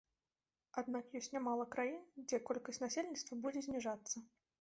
Аднак ёсць нямала краін, дзе колькасць насельніцтва будзе зніжацца.